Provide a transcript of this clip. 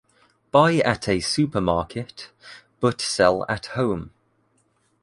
Buy at a supermarket, but sell at home.